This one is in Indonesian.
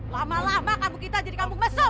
lama lama kamu kita jadi kambung mesuk